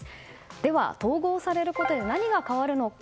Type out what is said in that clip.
では、統合されることで何が変わるのか。